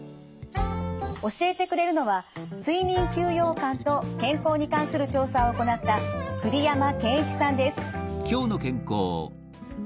教えてくれるのは睡眠休養感と健康に関する調査を行った栗山健一さんです。